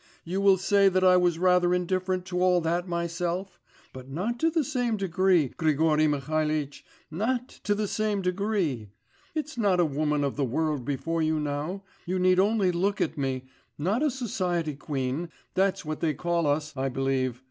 You will say that I was rather indifferent to all that myself; but not to the same degree, Grigory Mihalitch ... not to the same degree! It's not a woman of the world before you now, you need only look at me not a society queen.... That's what they call us, I believe